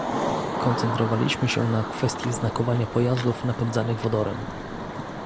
Koncentrowaliśmy się na kwestii znakowania pojazdów napędzanych wodorem